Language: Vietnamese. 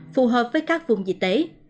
phù hợp với các vùng dị tế